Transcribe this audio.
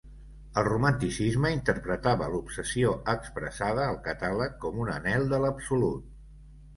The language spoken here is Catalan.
El romanticisme interpretava l'obsessió expressada al catàleg com un anhel de l'absolut.